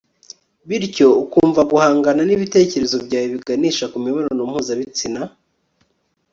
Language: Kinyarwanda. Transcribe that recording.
Bityo ukumva guhangana n ibitekerezo byawe biganisha ku mibonano mpuzabitsina